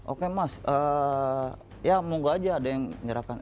oke mas ya monggo aja ada yang menyerahkan